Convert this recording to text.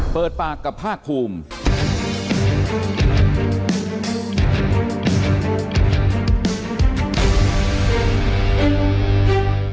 เปิดปากกับภาคภูมิ